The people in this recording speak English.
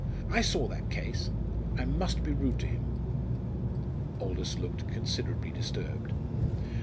I saw that case. I must be rude to him." Aldous looked considerably disturbed.